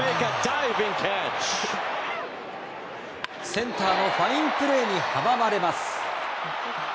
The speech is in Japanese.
センターのファインプレーに阻まれます。